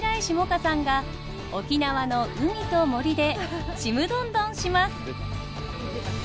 歌さんが沖縄の海と森でちむどんどんします！